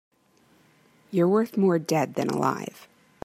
You're worth more dead than alive.